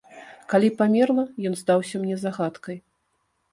Калі памерла, ён здаўся мне загадкай.